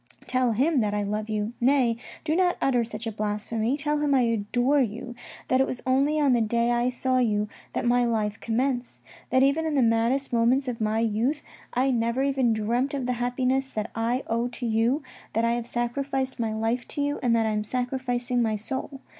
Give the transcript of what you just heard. Tell him that I love you, nay, do not utter such a blasphemy, tell him I adore you, that it was only on the day I saw you that my life commenced; that even in the maddest moments of my youth I never even dreamt of the happiness that I owe to you, that I have sacrificed my life to you and that I am sacrificing my soul.